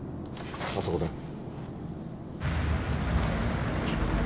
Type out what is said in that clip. あそこだ。